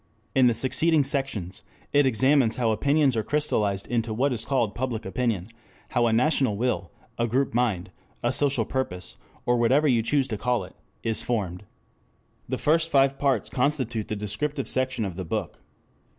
In the succeeding sections it examines how opinions are crystallized into what is called Public Opinion, how a National Will, a Group Mind, a Social Purpose, or whatever you choose to call it, is formed. The first five parts constitute the descriptive section of the book.